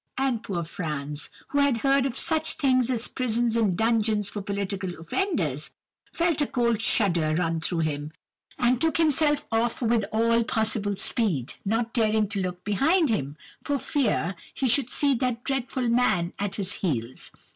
And poor Franz, who had heard of such things as prisons and dungeons for political offenders, felt a cold shudder run through him, and took himself off with all possible speed, not daring to look behind him, for fear he should see that dreadful man at his heels.